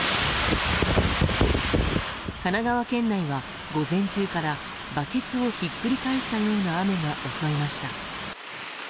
神奈川県内は午前中からバケツをひっくり返したような雨が襲いました。